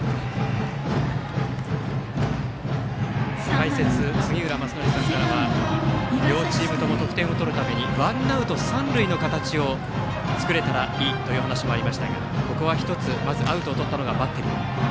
解説、杉浦正則さんからは両チームとも得点を取るためにワンアウト三塁の形を作れたらいいという話もありましたがここは１つまずアウトをとったのがバッテリー。